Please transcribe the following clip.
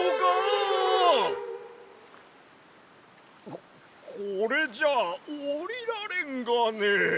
ここれじゃおりられんがね。